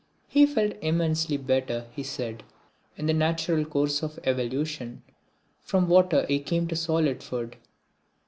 He felt immensely better, he said. In the natural course of evolution from water he came to solid food.